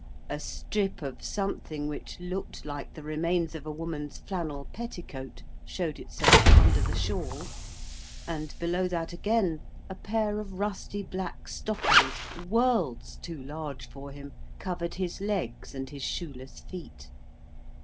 A strip of something which looked like the remains of a woman's flannel petticoat, showed itself under the shawl, and, below that again, a pair of rusty black stockings, worlds too large for him, covered his legs and his shoeless feet.